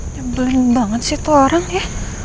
nyebelin banget sih itu orang ya